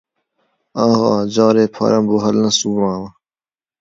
ئاغا جارێ پارەم بۆ هەڵنەسووڕاوە